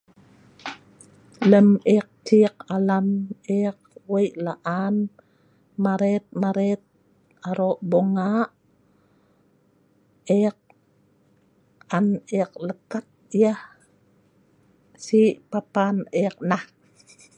Lem ek cik alam, ek wei' laan maret-maret aro' bunga', ek an ek lekat yah si papan ek nah.